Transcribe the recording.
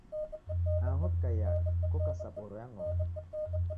Aho w'ikaiya koka sa boro ya ng'ombe.